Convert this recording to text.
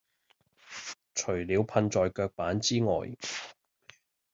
除了噴在腳板之外